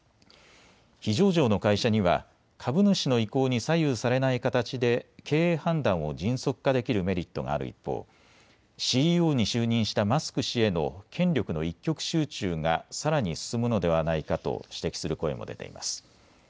非上場の会社には株主の意向に左右されない形で経営判断を迅速化できるメリットがある一方、ＣＥＯに就任したマスク氏への権力の一極集中がさらに進むのではないかと指摘する声も出ています。